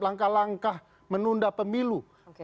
langkah langkah menunda pemilu